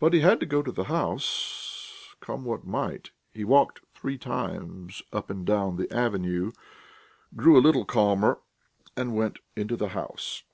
But he had to go to the house, come what might. He walked three times up and down the avenue, grew a little calmer, and went into the house.